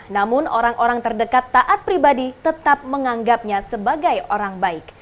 namun orang orang terdekat taat pribadi tetap menganggapnya sebagai orang baik